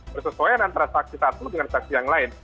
bersesuaian antara saksi satu dengan saksi yang lain